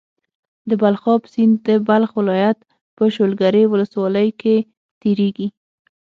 د بلخاب سيند د بلخ ولايت په شولګرې ولسوالۍ کې تيريږي.